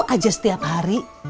lima puluh aja setiap hari